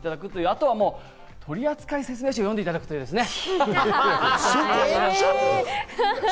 あとは取り扱い説明書を読んでいただくことですね。